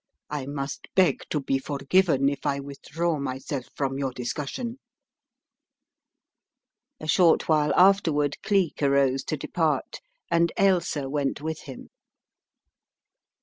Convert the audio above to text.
I must beg to be forgiven if I withdraw my self from your discussion." A short while afterward Cleek arose to depart and Ailsa went with him.